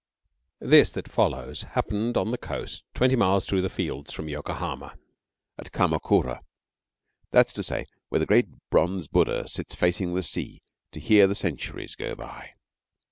This that follows happened on the coast twenty miles through the fields from Yokohama, at Kamakura, that is to say, where the great bronze Buddha sits facing the sea to hear the centuries go by.